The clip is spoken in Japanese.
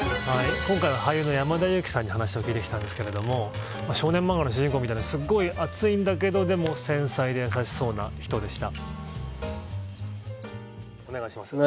今回は俳優の山田裕貴さんの話を聞いてきたんですけど少年漫画の主人公みたいなすごい熱いんだけどでも繊細で優しそうな人でした。